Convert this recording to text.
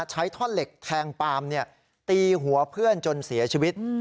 ใช้ท่อนเหล็กแทงปาล์มตีหัวเพื่อนจนเสียชีวิต